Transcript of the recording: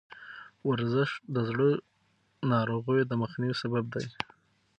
ورزش د زړه ناروغیو د مخنیوي سبب دی.